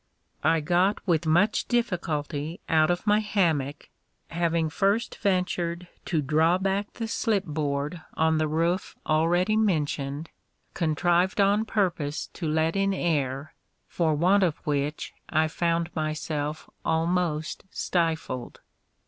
I got with much difficulty out of my hammock, having first ventured to draw back the slip board on the roof already mentioned, contrived on purpose to let in air, for want of which I found myself almost stifled.